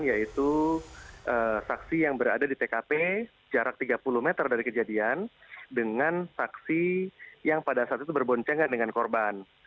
yaitu saksi yang berada di tkp jarak tiga puluh meter dari kejadian dengan saksi yang pada saat itu berboncengan dengan korban